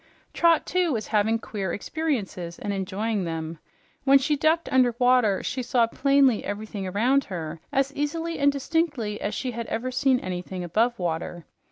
Trot, too, was having queer experiences and enjoying them. When she ducked under water, she saw plainly everything about her as easily and distinctly as she had ever seen anything above water.